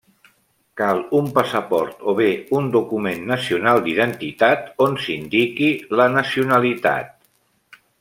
Cal un passaport o bé un document nacional d'identitat on s'indiqui la nacionalitat.